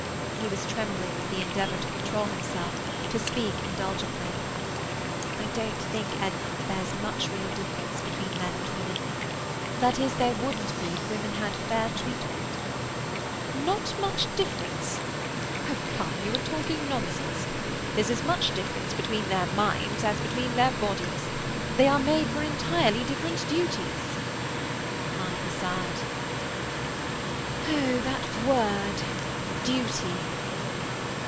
He was trembling with the endeavour to control himself, to speak indulgently. "I don't think, Edmund, there's much real difference between men and women. That is, there wouldn't be, if women had fair treatment." "Not much difference? Oh, come; you are talking nonsense. There's as much difference between their minds as between their bodies. They are made for entirely different duties." Monica sighed. "Oh, that word Duty!"